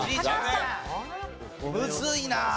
むずいな！